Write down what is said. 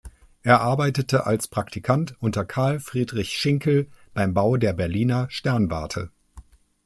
Er arbeitete als Praktikant unter Karl Friedrich Schinkel beim Bau der Berliner Sternwarte.